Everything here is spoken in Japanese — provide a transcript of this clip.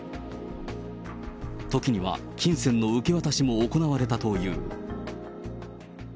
時には、金銭の受け渡しも行われたという。